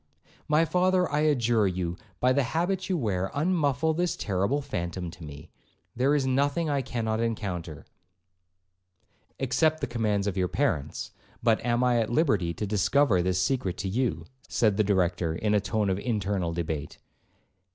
'My father, I adjure you, by the habit you wear, unmuffle this terrible phantom to me; there is nothing I cannot encounter'—'Except the commands of your parents. But am I at liberty to discover this secret to you?' said the Director, in a tone of internal debate.